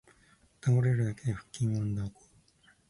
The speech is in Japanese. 倒れるだけで腹筋ワンダーコア